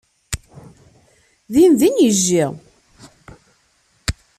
Dindin yejji.